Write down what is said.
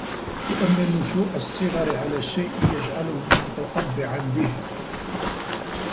لِأَنَّ نُشُوءَ الصِّغَرِ عَلَى الشَّيْءِ يَجْعَلُهُ مُتَطَبِّعًا بِهِ